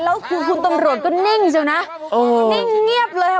แล้วคือคุณตำรวจก็นิ่งเชียวนะนิ่งเงียบเลยค่ะ